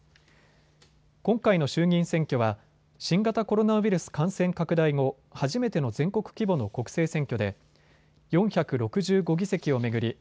今回の衆議院選挙は新型コロナウイルス感染拡大後、初めての全国規模の国政選挙で４６５議席を巡り